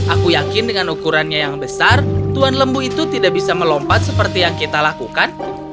aku yakin dengan ukurannya yang besar tuan lembu itu tidak bisa melompat seperti yang kita lakukan